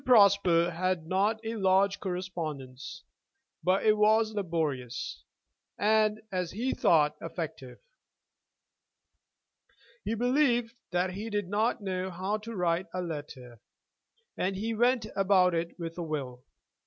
Prosper had not a large correspondence, but it was laborious, and, as he thought, effective. He believed that he did know how to write a letter, and he went about it with a will.